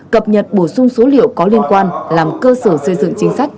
cập nhật bổ sung số liệu có liên quan làm cơ sở xây dựng chính sách